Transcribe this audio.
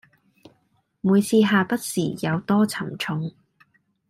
每次下筆時有多沉重